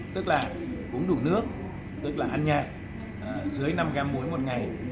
tức là cũng đủ nước tức là ăn nhạt dưới năm gram muối một ngày